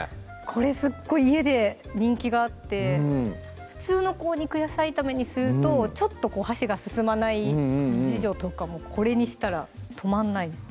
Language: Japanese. これすっごい家で人気があって普通の肉野菜炒めにするとちょっと箸が進まない次女とかもこれにしたら止まんないです